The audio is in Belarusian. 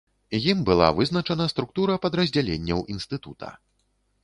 Ім была вызначана структура падраздзяленняў інстытута.